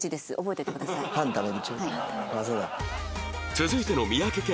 続いての三宅健